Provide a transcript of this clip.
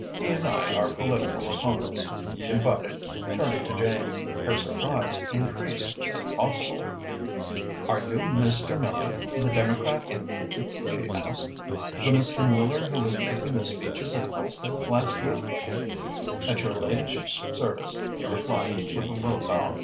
He and I are political opponents," he confided, turning to Jane. Her surprise increased, if possible. "Are you Mr. Miller, the Democrat M.P.?" she asked, "the Mr. Miller who was making those speeches at Hellesfield last week?" "At your ladyship's service," he replied, with a low bow.